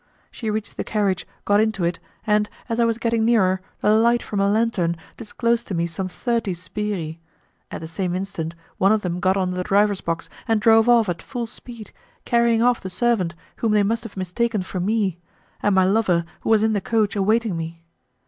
She reached the carriage, got into it, and, as I was getting nearer, the light from a lantern disclosed to me some thirty sbirri; at the same instant, one of them got on the driver's box and drove off at full speed, carrying off the servant, whom they must have mistaken for me, and my lover who was in the coach awaiting me.